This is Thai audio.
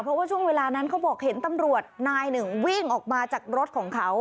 เพราะว่าช่วงเวลานั้นเขาบอกเห็นตำรวจนายหนึ่งวิ่งออกมาจากรถของเขา